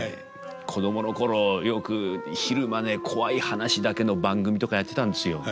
子供の頃よく昼間ねコワい話だけの番組とかやってたんですよ。